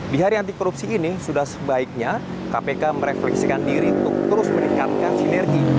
di hari anti korupsi ini sudah sebaiknya kpk merefleksikan diri untuk terus meningkatkan sinergi